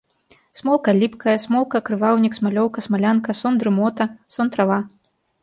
Смолка ліпкая, смолка, крываўнік, смалёўка, смалянка, сон-дрымота, сон-трава.